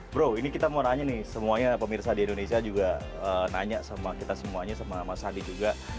bro ini kita mau nanya nih semuanya pemirsa di indonesia juga nanya sama kita semuanya sama mas hadi juga